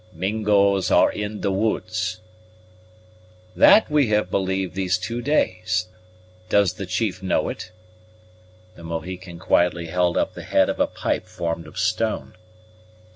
"Mingos are in the woods." "That we have believed these two days: does the chief know it?" The Mohican quietly held up the head of a pipe formed of stone.